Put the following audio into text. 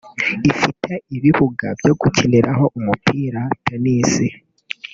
ifite ibibuga byo gukiniraho umupira [Tennis